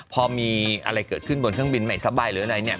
พอมีอะไรเกิดขึ้นบนเครื่องบินไม่สบายหรืออะไรเนี่ย